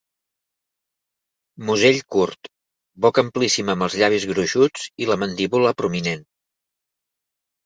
Musell curt, boca amplíssima amb els llavis gruixuts i la mandíbula prominent.